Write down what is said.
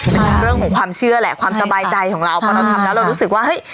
เป็นเรื่องของความเชื่อแหละความสบายใจของเราพอเราทำแล้วเรารู้สึกว่าเฮ้ย